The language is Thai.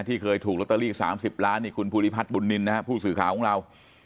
เคยถูกลอตเตอรี่๓๐ล้านนี่คุณภูริพัฒน์บุญนินนะครับผู้สื่อข่าวของเรา